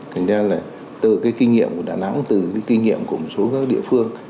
thành ra là từ cái kinh nghiệm của đà nẵng từ cái kinh nghiệm của một số các địa phương